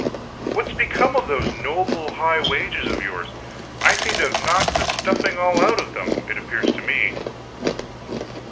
"What's become of those noble high wages of yours? I seem to have knocked the stuffing all out of them, it appears to me."